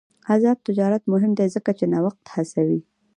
آزاد تجارت مهم دی ځکه چې نوښت هڅوي.